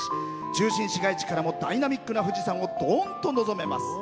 中心市街地からもダイナミックな富士山をドーンと望めます。